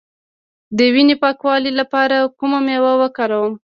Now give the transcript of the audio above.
د وینې د پاکوالي لپاره کومه میوه وکاروم؟